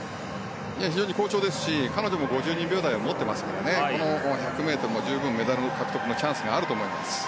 非常に好調ですし彼女も５２秒台を持っていますから１００ｍも十分メダル獲得のチャンスがあると思います。